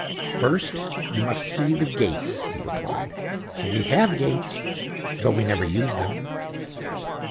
"First, you must see the gates," he replied, "for we have gates, though we never use them."